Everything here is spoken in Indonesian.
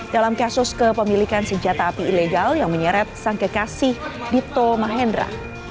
dalam kasus kepemilikan senjata api ilegal yang menyeret sang kekasih dito mahendra